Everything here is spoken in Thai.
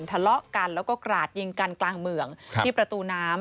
ทะเลาะกันแล้วก็กราดยิงกันกลางเมืองที่ประตูน้ำ